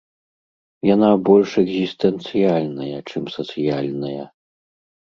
Яна больш экзістэнцыяльная, чым сацыяльная.